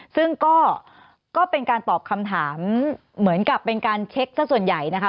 ซึ่งก็เป็นการตอบคำถามเหมือนกับเป็นการเช็คสักส่วนใหญ่นะคะ